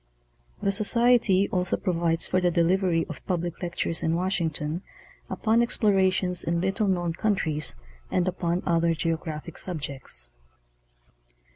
The Society also provides for the delivery of public lectures in Wash ington upon explorations in little known countries and upon other geographic subjects.